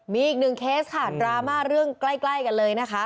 มีอีกหนึ่งเคสค่ะดราม่าเรื่องใกล้กันเลยนะคะ